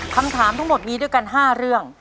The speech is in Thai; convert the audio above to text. คำถามทั้งหมดมีด้วยกัน๕เรื่อง